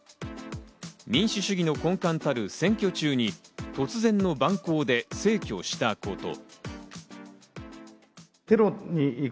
民主主義の根幹たる選挙中に突然の蛮行で逝去したこと。